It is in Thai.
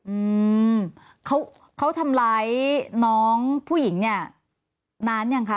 อืมเขาเขาทำร้ายน้องผู้หญิงเนี่ยนานยังคะ